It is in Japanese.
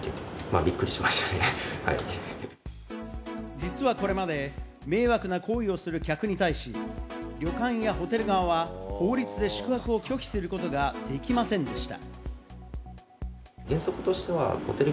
実はこれまで迷惑な行為をする客に対し、旅館やホテル側は法律で宿泊を拒否することができませんでした。